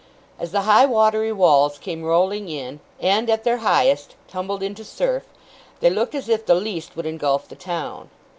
As the high watery walls came rolling in, and, at their highest, tumbled into surf, they looked as if the least would engulf the town.